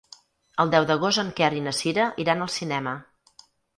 El deu d'agost en Quer i na Cira iran al cinema.